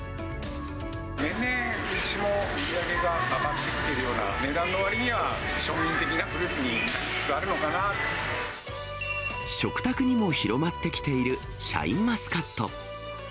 年々、うちも売り上げが上がってきているような、値段の割には、庶民的食卓にも広まってきているシャインマスカット。